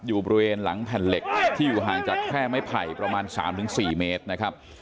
อยู่บริเวณหลังแผ่นเหล็กที่อยู่ห่างจากแค่ไม้ไผ่ประมาณ๓๔เมตรนะครับ